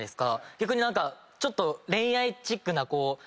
逆に何かちょっと。